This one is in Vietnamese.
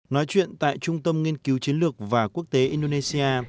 nói chuyện tại trung tâm nghiên cứu chiến lược và quốc tế indonesia